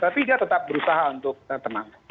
tapi dia tetap berusaha untuk tenang